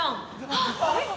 あっ！